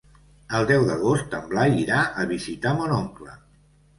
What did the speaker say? El deu d'agost en Blai irà a visitar mon oncle.